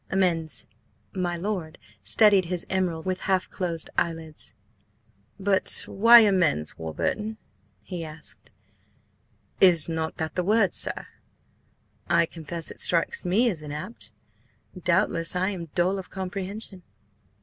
Amends." My lord studied his emerald with half closed eyelids. "But why–amends, Warburton?" he asked. "Is not that the word, sir?" "I confess it strikes me as inapt. Doubtless I am dull of comprehension."